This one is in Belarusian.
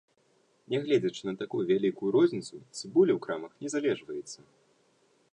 Нягледзячы на такую вялікую розніцу, цыбуля ў крамах не залежваецца.